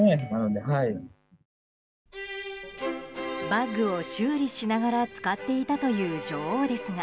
バッグを修理しながら使っていたという女王ですが